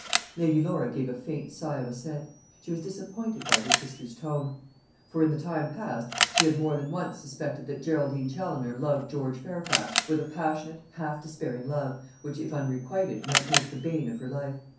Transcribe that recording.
Lady Laura gave a faint sigh of assent. She was disappointed by her sister's tone; for in the time past she had more than once suspected that Geraldine Challoner loved George Fairfax with a passionate half despairing love, which, if unrequited, might make the bane of her life.